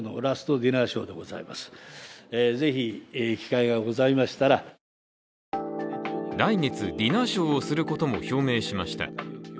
更に来月、ディナーショーをすることも表明しました。